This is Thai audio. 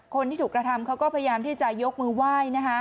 คนที่ถูกกระทำเขาก็พยายามที่จะยกมือไหว้